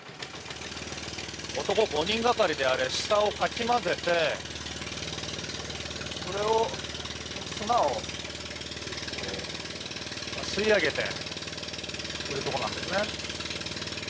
男５人がかりで下をかき混ぜて砂を吸い上げているところなんですね。